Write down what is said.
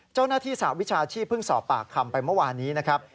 เจ้าหน้าที่สาววิชาชีพึ่งสอบปากคำไปเมื่อวานี้นะครับ